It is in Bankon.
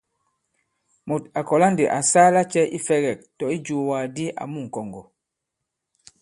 Mùt à kɔ̀la ndī à saa lacɛ̄ ifɛ̄gɛ̂k- tɔ̀ ijùwàgàdi àmu ŋ̀kɔ̀ŋgɔ̀ ?